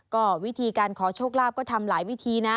ก็วิธีการขอโชคลาภก็ทำหลายวิธีนะ